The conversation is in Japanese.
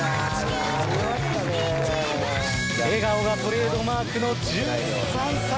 笑顔がトレードマークの１３歳。